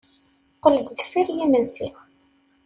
Qqel-d deffir yimensi.